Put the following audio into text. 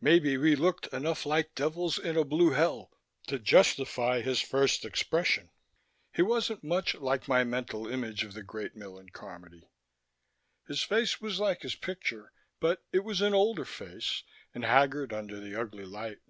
Maybe we looked enough like devils in a blue hell to justify his first expression. He wasn't much like my mental image of the great Millen Carmody. His face was like his picture, but it was an older face and haggard under the ugly light.